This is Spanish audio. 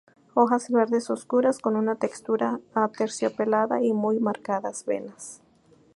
Hojas verdes oscuras, con una textura aterciopelada y muy marcadas venas.